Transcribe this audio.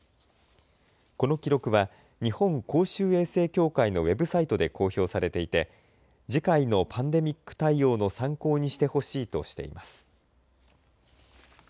この記録は日本公衆衛生協会のウェブサイトで公表されていて次回のパンデミック対応の参考にしてほしいとしています。